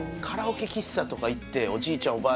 カラオケ喫茶とか行っておじいちゃん